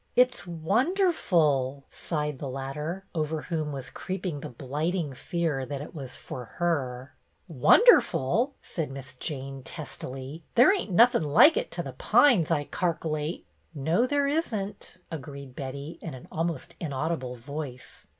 " It 's wonderful !" sighed the latter, over whom was creeping the blighting fear that it was for her. BETTY BAIRD " Wonderful !" said Miss Jane, testily. " There ain't nothin' like it to The Pines, I carc'l'ate." " No, there is n't," agreed Betty, in an al most inaudible voice.